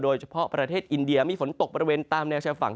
โดยเฉพาะประเทศอินเดียมีฝนตกบริเวณตามแนวชายฝั่ง